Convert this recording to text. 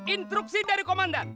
instruksi dari komandan